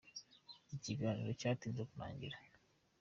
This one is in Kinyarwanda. Iki kiganiro cyatinze kurangira.